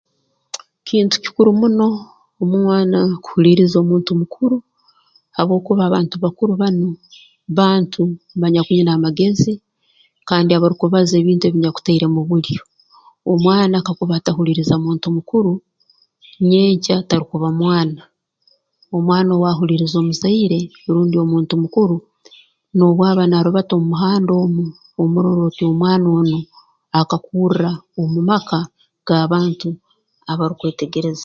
Kintu kikuru muno omwana kuhuliiriza omuntu mukuru habwokuba abantu bakuru banu bantu banyakwine amagezi kandi abarukubaza ebintu ebinyakutairemu bulyo omwana kakuba atahuliiriza muntu mukuru nyenkya tarukuba mwana omwana owaahuliiriza omuzaire rundi omuntu mukuru n'obu aba naarubata omu muhanda omu omurora oti omwana onu akakurra omu maka g'abantu abarukwetegereza